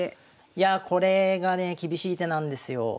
いやあこれがね厳しい手なんですよ。